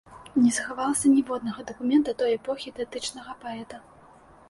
Не захавалася ніводнага дакумента той эпохі, датычнага паэта.